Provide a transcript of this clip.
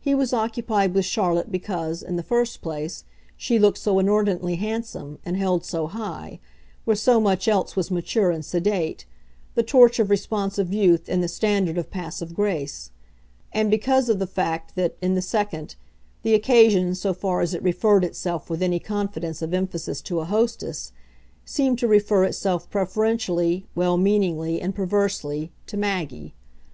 He was occupied with Charlotte because, in the first place, she looked so inordinately handsome and held so high, where so much else was mature and sedate, the torch of responsive youth and the standard of passive grace; and because of the fact that, in the second, the occasion, so far as it referred itself with any confidence of emphasis to a hostess, seemed to refer itself preferentially, well meaningly and perversely, to Maggie.